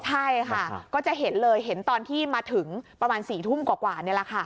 ใช่ค่ะก็จะเห็นเลยเห็นตอนที่มาถึงประมาณ๔ทุ่มกว่านี่แหละค่ะ